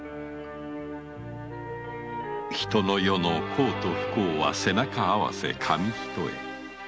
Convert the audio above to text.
人の世の幸と不幸は背中合わせ紙一重。